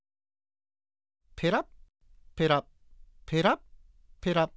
ペラッペラッペラッペラッ。